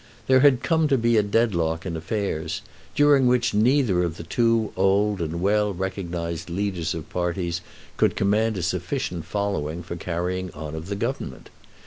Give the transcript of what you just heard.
There had come to be a dead lock in affairs, during which neither of the two old and well recognised leaders of parties could command a sufficient following for the carrying on of the Government.